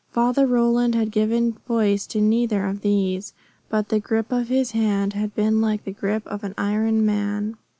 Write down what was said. Father Roland had given voice to neither of these. But the grip of his hand had been like the grip of an iron man.